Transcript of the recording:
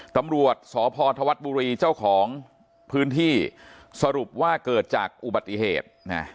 ตำรวจสพธวัฒน์บุรีเจ้าของพื้นที่สรุปว่าเกิดจากอุบัติเหตุ